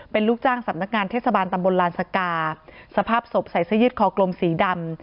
เป็นลูกจ้างสำนักงานเทศบาลตำบลลานสกาสภาพศพใส่เสื้อยืดคอกลมสีดำ